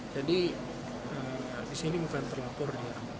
jadi di sini bukan terlapor